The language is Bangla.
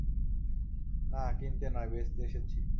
নাহ, কিনতে নয়, বেচতে এসেছি।